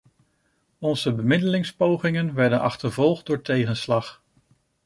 Onze bemiddelingspogingen werden achtervolgd door tegenslag.